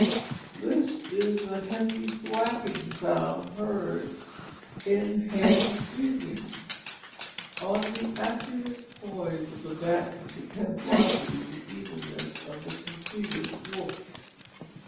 This is the heavy thwacking sound heard in hand weaving. On the accurate poise of the batten depends largely the evenness of the completed woof.